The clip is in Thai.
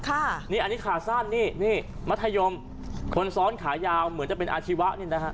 อันนี้ขาสั้นมัธยมคนซ้อนขายาวเหมือนจะเป็นอาชีวะ